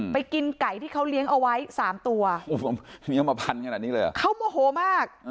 ไปกินไก่ที่เขาเลี้ยงเอาไว้๓ตัวเค้าโมโฮมาก